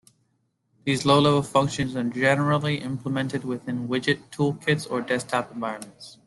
These low-level functions are generally implemented within widget toolkits or desktop environments.